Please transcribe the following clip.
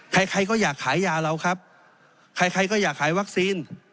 ใครใครก็อยากขายยาเราครับใครใครก็อยากขายวัคซีน